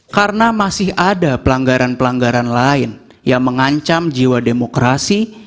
karena masih ada pelanggaran pelanggaran lain yang mengancam jiwa demokrasi